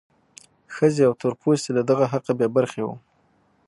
ښځې او تور پوستي له دغه حقه بې برخې وو.